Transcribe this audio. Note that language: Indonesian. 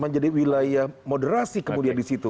menjadi wilayah moderasi kemudian disitu